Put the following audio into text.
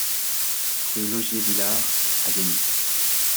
Rue Laugier Villars à Gagny